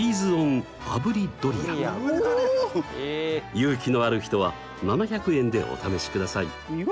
勇気のある人は７００円でお試しください。